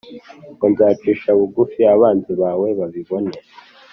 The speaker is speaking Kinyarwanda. Ngo Nzacisha bugufi abanzi bawe babibone